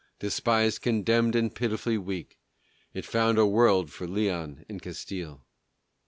Despised, condemned, and pitifully weak, It found a world for Leon and Castile.